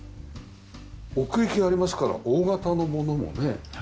奥行きがありますから大型の物もね。